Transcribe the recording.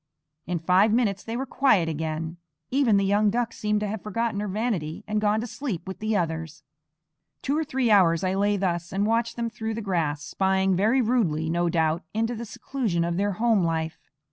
In five minutes they were quiet again; even the young duck seemed to have forgotten her vanity and gone to sleep with the others. Two or three hours I lay thus and watched them through the grass, spying very rudely, no doubt, into the seclusion of their home life.